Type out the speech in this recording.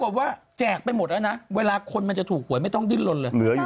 เราก็แจกไปหมดแล้วนะเวลาคนมาถูกหวยไม่ต้องยื่นลงเลย